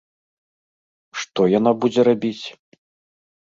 Што яна будзе рабіць?